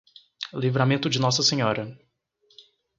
Livramento de Nossa Senhora